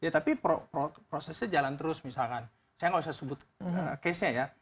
tapi prosesnya jalan terus misalkan saya nggak usah sebut case nya ya